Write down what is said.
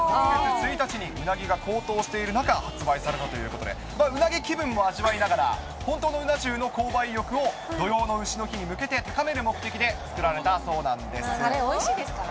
うなぎが高騰している中、発売されたということで、うなぎ気分も味わいながら、本当のうな重の購買意欲を、土用のうしの日に向けて高める目たれ、おいしいですからね。